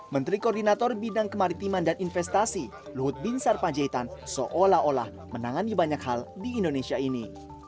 menteri koordinator bidang kemaritiman dan investasi luhut bin sarpanjaitan seolah olah menangani banyak hal di indonesia ini